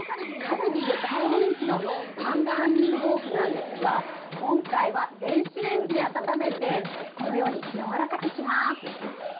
カルディで大人気のパンダ杏仁豆腐なんですが、今回は電子レンジで温めて、このように柔らかくします。